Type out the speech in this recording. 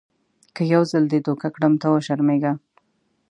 که یو ځل دې دوکه کړم ته وشرمېږه .